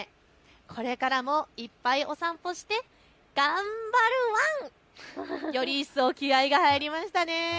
これからもいっぱいお散歩して頑張るワン！より一層、気合いが入りましたね。